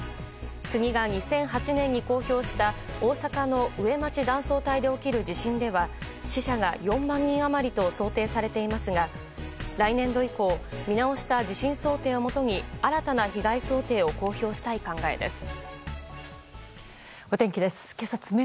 国が２００８年に公表した大阪の上町断層帯で起きる地震では死者が４万人余りと想定されていますが来年度以降見直した地震想定をもとに新たな被害想定を公表したい考えです。